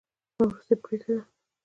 زما وروستۍ پرېکړه ده.